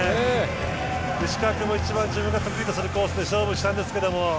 石川君も一番自分が得意とするコースで勝負したんですけど